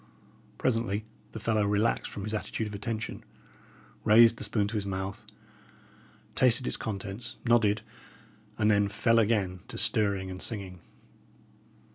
Presently the fellow relaxed from his attitude of attention, raised the spoon to his mouth, tasted its contents, nodded, and then fell again to stirring and singing.